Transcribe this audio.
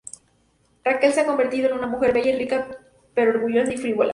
Raquel se ha convertido en una mujer bella y rica, pero orgullosa y frívola.